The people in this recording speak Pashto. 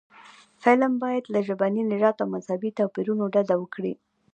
فلم باید له ژبني، نژادي او مذهبي توپیرونو ډډه وکړي